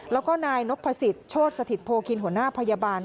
แล้วก็นายนพสิทธิโชธสถิตโพคินหัวหน้าพยาบาล